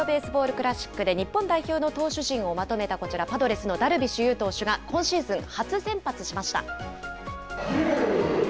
クラシックで日本代表の投手陣をまとめたこちら、パドレスのダルビッシュ有投手が今シーズン初先発しました。